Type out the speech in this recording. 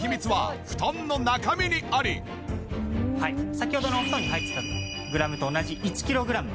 先ほどのお布団に入っていたグラムと同じ１キログラム。